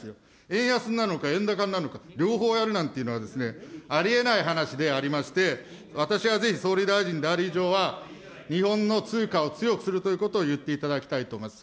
円安なのか円高なのか、両方やるなんていうのはですね、ありえない話でありまして、私はぜひ総理大臣である以上は、日本の通貨を強くするということを言っていただきたいと思います。